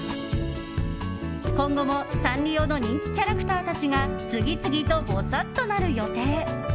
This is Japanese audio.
今後も、サンリオの人気キャラクターたちが次々と、ぼさっとなる予定。